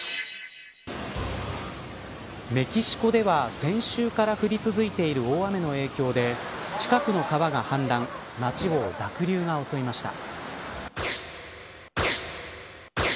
メキシコでは先週から降り続いている大雨の影響で近くの川が氾濫街を濁流が襲いました。